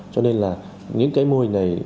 cho nên là những cái mô hình này